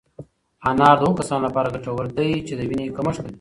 انار د هغو کسانو لپاره ګټور دی چې د وینې کمښت لري.